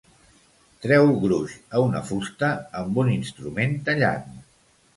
Treu gruix a una fusta amb un instrument tallant.